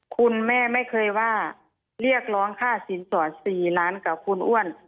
คุณแม่ไม่เคยว่าเรียกร้องค่าสินสอด๔ล้านกับคุณอ้วน